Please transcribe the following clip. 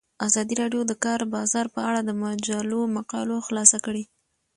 ازادي راډیو د د کار بازار په اړه د مجلو مقالو خلاصه کړې.